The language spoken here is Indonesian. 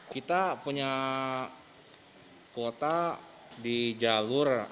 kita punya kuota di jalur